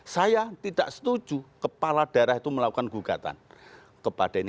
saya tidak setuju kepala daerah itu melakukan gugatan kepada ini